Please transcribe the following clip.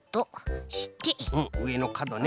うんうえのかどね。